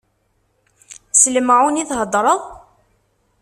S lemɛun i theddreḍ?